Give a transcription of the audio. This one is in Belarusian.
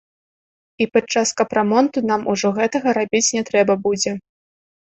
І падчас капрамонту нам ужо гэтага рабіць не трэба будзе.